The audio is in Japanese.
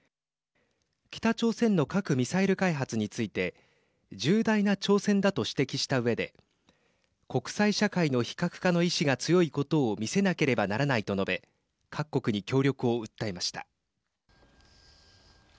北朝鮮の核・ミサイル開発について重大な挑戦だと指摘したうえで国際社会の非核化の意志が強いことを見せなければならないと述べ各国に協力を訴えました。